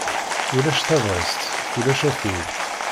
Ulac tabɣest, ulac afud.